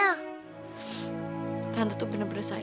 aku mau pergi